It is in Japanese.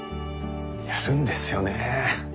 やるんですよねえ。